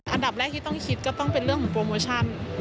อันดับแรกที่ต้องคิดก็ต้องเป็นเรื่องของโปรโมชั่น